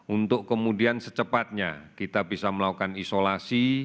untuk kemudian secepatnya kita bisa melakukan isolasi